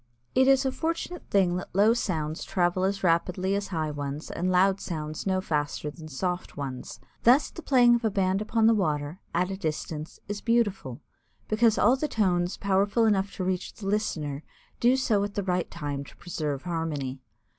It is a fortunate thing that low sounds travel as rapidly as high ones and loud sounds no faster than soft ones. Thus the playing of a band upon the water, at a distance, is beautiful, because all the tones powerful enough to reach the listener do so at the right time to preserve harmony.